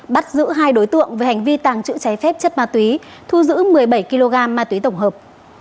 bắt giữ hai đối tượng về hành vi tàng trữ trái phép chất ma túy thu giữ một mươi bảy kg ma túy tổng hợp